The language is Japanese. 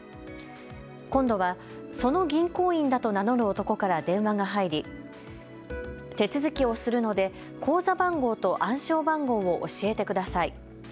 今度はその銀行員だと名乗る男から電話が入り手続きをするので口座番号と暗証番号を教えてください。